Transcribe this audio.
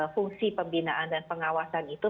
fungsi pembinaan dan pengawasan itu